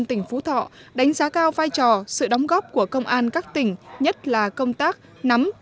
tỉnh phú thọ đánh giá cao vai trò sự đóng góp của công an các tỉnh nhất là công tác nắm